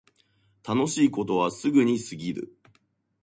楽しいことはすぐに過ぎる